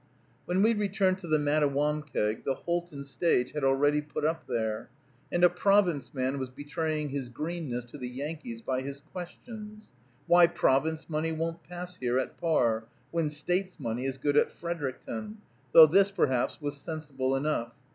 When we returned to the Mattawamkeag, the Houlton stage had already put up there; and a Province man was betraying his greenness to the Yankees by his questions. Why Province money won't pass here at par, when States' money is good at Fredericton, though this, perhaps, was sensible enough.